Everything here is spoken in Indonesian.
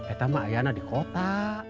eh itu mah ayahnya di kota